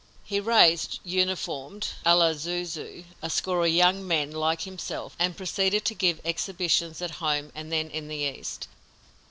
He raised, uniformed à la Zou zou, a score of young men like himself and proceeded to give exhibitions at home and then in the East.